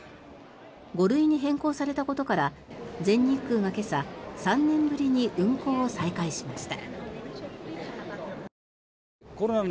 ５類に変更されたことから全日空が今朝、３年ぶりに運航を再開しました。